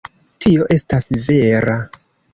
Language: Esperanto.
Tio estas vera.